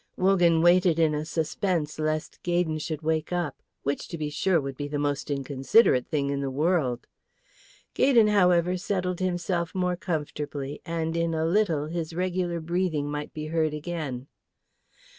Wogan waited in a suspense lest Gaydon should wake up, which, to be sure, would be the most inconsiderate thing in the world. Gaydon, however, settled himself more comfortably, and in a little his regular breathing might be heard again.